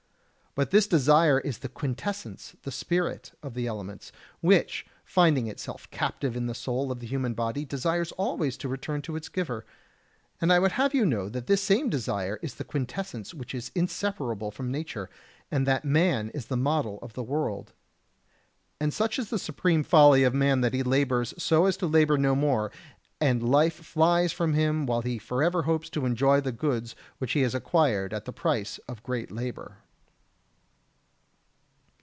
But this desire is the quintessence, the spirit, of the elements, which, finding itself captive in the soul of the human body, desires always to return to its giver. And I would have you know that this same desire is the quintessence which is inseparable from nature, and that man is the model of the world. And such is the supreme folly of man that he labours so as to labour no more, and life flies from him while he forever hopes to enjoy the goods which he has acquired at the price of great labour.